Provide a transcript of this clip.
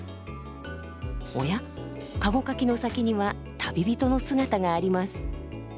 おや駕籠かきの先には旅人の姿があります。